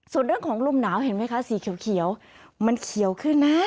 ส่วนเรื่องของลมหนาวเห็นไหมคะสีเขียวมันเขียวขึ้นนะ